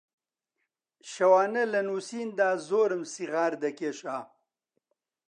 شەوانە لە نووسیندا زۆرم سیغار دەکێشا